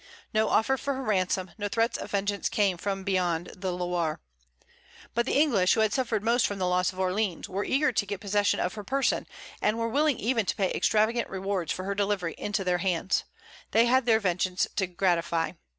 "No offer for her ransom, no threats of vengeance came from beyond the Loire." But the English, who had suffered most from the loss of Orleans, were eager to get possession of her person, and were willing even to pay extravagant rewards for her delivery into their hands. They had their vengeance to gratify.